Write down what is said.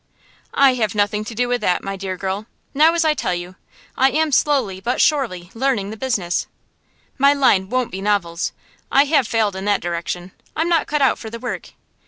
'I have nothing to do with that, my dear girl. Now, as I tell you, I am slowly, but surely, learning the business. My line won't be novels; I have failed in that direction, I'm not cut out for the work.